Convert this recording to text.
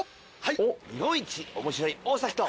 日本一おもしろい大崎と。